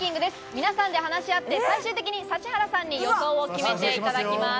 皆さんで話し合って最終的に指原さんに予想を決めていただきます。